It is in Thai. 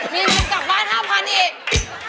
มีเงินกลับบ้าน๕๐๐๐อีก